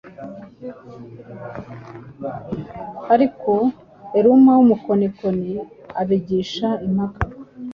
Ariko Eruma w’umukonikoni abagisha impaka,